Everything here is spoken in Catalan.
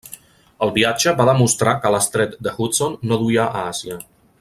El viatge va demostrar que l'estret de Hudson no duia a Àsia.